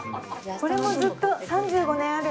これもずっと３５年ある。